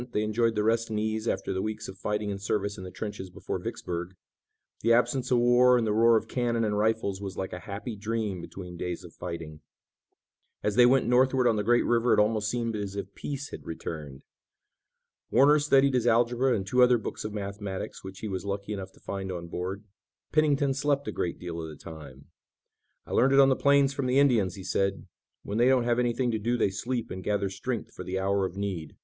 They enjoyed the rest and ease after the weeks of fighting and service in the trenches before Vicksburg. The absence of war and the roar of cannon and rifles was like a happy dream between days of fighting. As they went northward on the great river it almost seemed as if peace had returned. Warner studied his algebra and two other books of mathematics which he was lucky enough to find on board. Pennington slept a great deal of the time. "I learned it on the plains from the Indians," he said. "When they don't have anything to do they sleep and gather strength for the hour of need.